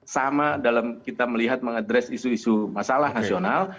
sama dalam kita melihat mengadres isu isu masalah nasional